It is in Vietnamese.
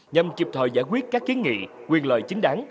nhằm kịp thời giải quyết các kiến nghị quyền lợi chính đáng